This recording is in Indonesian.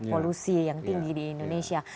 polusi yang tinggi di indonesia